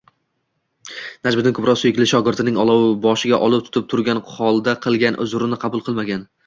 Najmiddin Kubro suyukli shogirdning boshiga olov tutib turgan holda qilgan uzrini qabul qilmagan